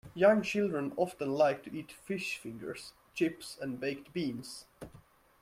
Young children often like to eat fish fingers, chips and baked beans